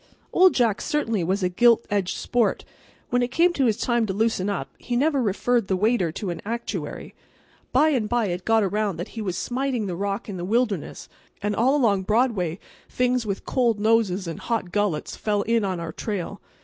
Old Jack certainly was a gild edged sport. When it came his time to loosen up he never referred the waiter to an actuary. By and by it got around that he was smiting the rock in the wilderness; and all along Broadway things with cold noses and hot gullets fell in on our trail.